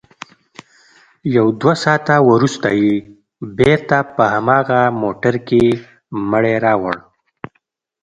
يو دوه ساعته وروسته يې بېرته په هماغه موټر کښې مړى راوړ.